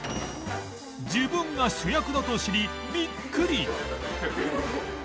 自分が主役だと知りビックリ！